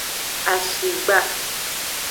Ahigba.